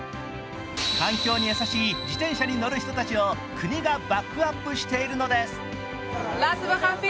環境に優しい自転車に乗る人たちを国がバックアップしているのです。